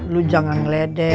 lu jangan ngeledek